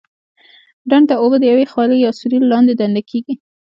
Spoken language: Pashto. ډنډ ته اوبه د یوې خولې یا سوري له لارې دننه کېږي.